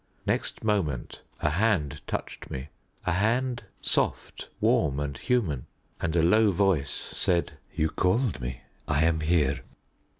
Next moment a hand touched me a hand soft, warm, and human and a low voice said, "You called me. I am here."